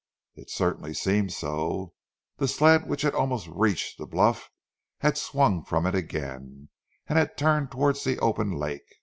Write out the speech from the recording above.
It certainly seemed so. The sled which had almost reached the bluff, had swung from it again, and had turned towards the open lake.